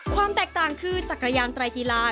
ความแตกต่างคือจักรยานไตรกีฬา